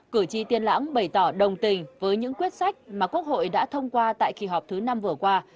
cử tri tiên lãng bày tỏ đồng tình với những quyết sách mà quốc hội đã thông qua tại kỳ họp thứ năm vừa qua